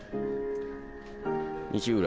西浦